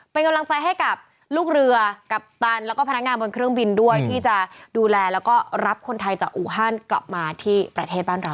เป็นกำลังใจให้กับลูกเรือกัปตันแล้วก็พนักงานบนเครื่องบินด้วยที่จะดูแลแล้วก็รับคนไทยจากอูฮันกลับมาที่ประเทศบ้านเรา